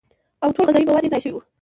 او ټول غذائي مواد ئې ضايع شوي وي